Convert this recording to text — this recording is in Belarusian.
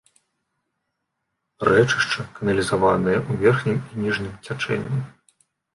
Рэчышча каналізаванае ў верхнім і ніжнім цячэнні.